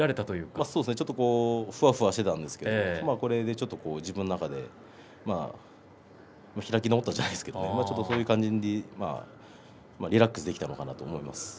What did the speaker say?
かなりふわふわしていたんですけれどもこれで自分の中で開き直ったじゃないですけれどもそういう感じにリラックスできたのかなと思います。